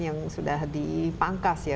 yang sudah dipangkas ya